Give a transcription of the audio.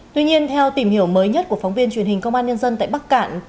tuy nhiên theo tìm hiểu mới nhất của phóng viên truyền hình công an nhân dân tại bắc cạn